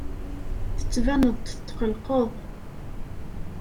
Tettbaneḍ-d tetqelqeḍ.